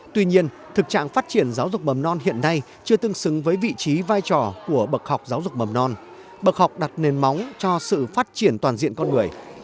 tuy nhiên thực trạng phát triển giáo dục mầm non hiện nay chưa tương xứng với vị trí vai trò của bậc học giáo dục mầm non bậc học đặt nền móng cho sự phát triển toàn diện con người